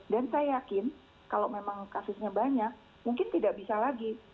dan saya yakin kalau memang kasusnya banyak mungkin tidak bisa lagi